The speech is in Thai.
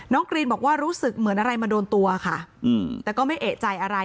กรีนบอกว่ารู้สึกเหมือนอะไรมาโดนตัวค่ะแต่ก็ไม่เอกใจอะไร